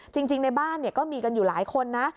จริงในบ้านก็มีกันอยู่หลายคนนะ